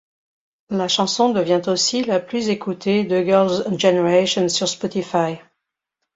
La chanson devient aussi la plus écouté de Girls' Generation sur Spotify.